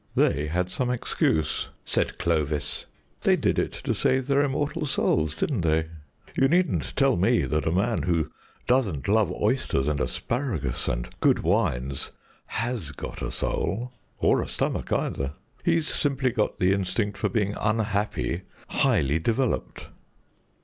"They had some excuse," said Clovis. "They did it to save their immortal souls, didn't they? You needn't tell me that a man who doesn't love oysters and asparagus and good wines has got a soul, or a stomach either. He's simply got the instinct for being unhappy highly developed."